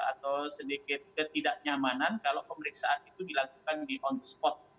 atau sedikit ketidaknyamanan kalau pemeriksaan itu dilakukan di on spot